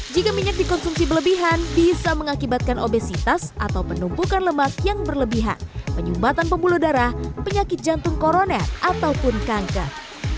jika minyak dikonsumsi berlebihan bisa mengakibatkan obesitas atau penumpukan lemak yang berlebihan penyumbatan pembuluh darah penyakit jantung koroner ataupun kanker